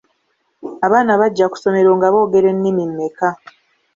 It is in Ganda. Abaana bajja ku ssomero nga boogera ennimi mmeka?